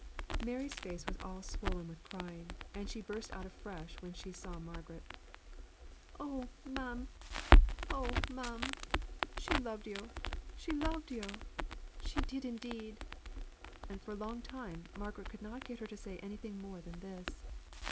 Mary's face was all swollen with crying, and she burst out afresh when she saw Margaret. "Oh, ma'am, she loved yo', she loved yo', she did indeed!" And for a long time, Margaret could not get her to say anything more than this.